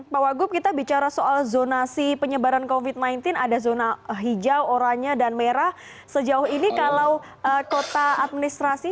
pak wagub kita bicara soal zonasi penyebaran covid sembilan belas ada zona hijau oranye dan merah sejauh ini kalau kota administrasi